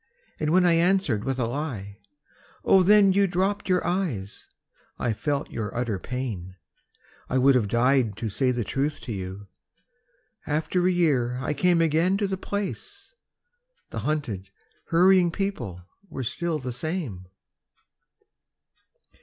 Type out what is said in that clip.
And when I answered with a lie. Oh then You dropped your eyes. I felt your utter pain. I would have died to say the truth to you. After a year I came again to the place The hunted hurrying people were still the same....